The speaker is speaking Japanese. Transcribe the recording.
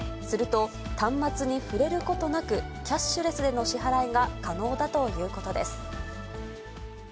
すると、端末に触れることなく、キャッシュレスでの支払いが可能だということです。